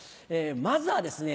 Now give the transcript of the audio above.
まずはですね